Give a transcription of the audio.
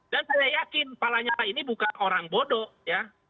dan saya yakin palanyala ini bukan orang bodoh ya